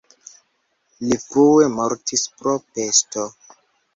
Li frue mortis pro pesto.